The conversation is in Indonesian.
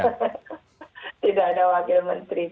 kementerian itu kan tidak ada wakil menteri gitu